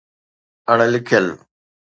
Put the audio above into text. اڻ لکيل